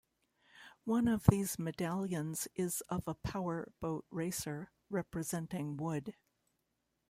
One of these medallions is of a power boat racer, representing Wood.